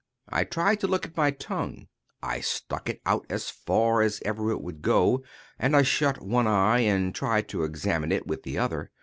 I tried to look at my tongue. I stuck it out as far as ever it would go, and I shut one eye, and tried to examine it with the other.